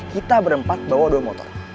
kita berempat bawa dua motor